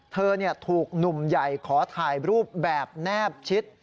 เธอถูกหนุ่มใหญ่ขอถ่ายรูปแบบแนบชิด